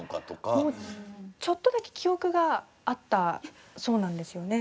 ちょっとだけ記憶があったそうなんですよね。